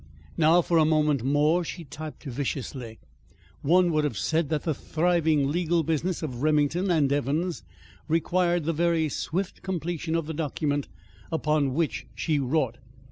Now for a moment more she typed viciously. One would have said that the thriving legal business of Remington and Evans required the very swift completion of the document upon which she wrought.